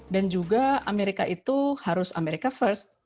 dan juga amerika itu harus america first